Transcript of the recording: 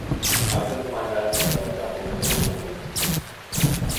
I couldn't find that in the documentation anywhere.